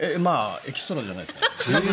エキストラじゃないですよ。